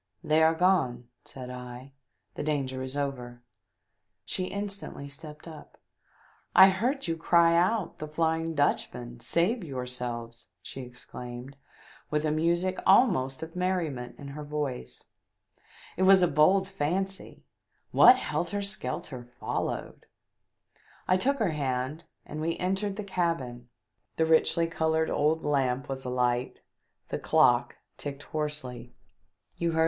"They are gone," said I, "the danger is over." She instantly stepped up. " I heard you cry out 'The Flying Dutch man ! Save yourselves !'" she exclaimed, with a music almost of merriment in her voice. "It was a bold fancy! What helter skelter followed !" I took her hand and we entered the cabin. The richly coloured old lamp was alight, the clock ticked hoarsely, you heard 376 THE DEATH SHIP.